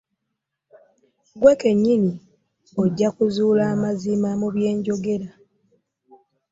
Ggwe kennyini ojja kuzuula amazima mu bge njogera.